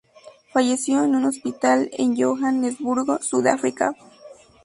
Falleció en un hospital en Johannesburgo, Sudáfrica.